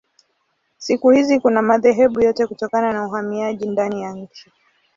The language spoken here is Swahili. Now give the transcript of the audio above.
Siku hizi kuna madhehebu yote kutokana na uhamiaji ndani ya nchi.